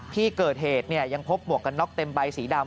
ที่เกิดเหตุยังพบหมวกกันน็อกเต็มใบสีดำ